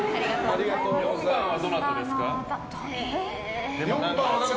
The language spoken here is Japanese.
４番はどなたですか？